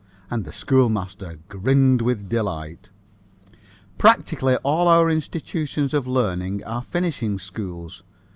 And the schoolmaster grinned with delight. Practically all our institutions of learning are finishing schools.